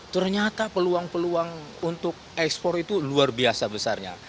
ternyata peluang peluang untuk ekspor itu luar biasa besarnya